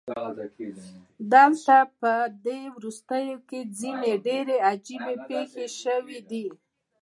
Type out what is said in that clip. دلته پدې وروستیو کې ځینې ډیرې عجیبې پیښې شوې دي